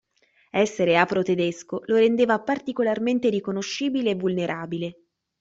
Essere afro-tedesco lo rendeva particolarmente riconoscibile e vulnerabile.